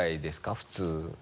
普通。